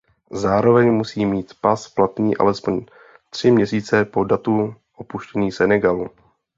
Zároveň musí mít pas platný alespoň tři měsíce po datu opuštění Senegalu.